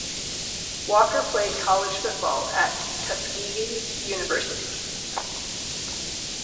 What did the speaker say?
Walker played college football at Tuskegee University.